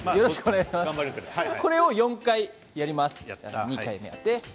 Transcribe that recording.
これを４回やります。